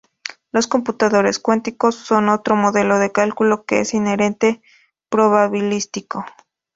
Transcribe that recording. Los computadores cuánticos son otro modelo de cálculo que es inherentemente probabilístico.